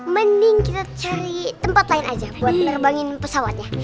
mending kita cari tempat lain aja buat nerbangin pesawatnya